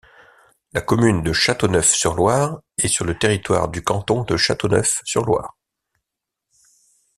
La commune de Châteauneuf-sur-Loire est sur le territoire du canton de Châteauneuf-sur-Loire.